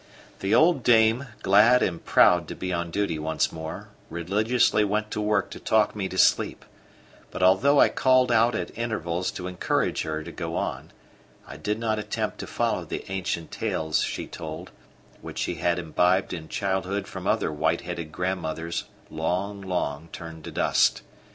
The old dame, glad and proud to be on duty once more, religiously went to work to talk me to sleep; but although I called out at intervals to encourage her to go on, I did not attempt to follow the ancient tales she told, which she had imbibed in childhood from other white headed grandmothers long, long turned to dust.